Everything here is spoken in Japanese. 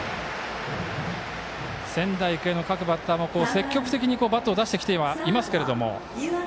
仙台育英の各バッターも積極的にバットを出してきてはいますけれども。